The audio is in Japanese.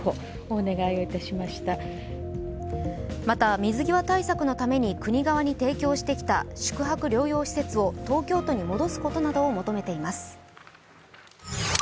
また、水際対策のために国側に提供してきた宿泊療養施設を東京都に戻すことなどを求めています。